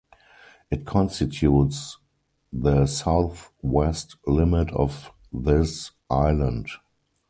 It constitutes the southwest limit of this island.